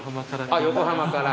あっ横浜から。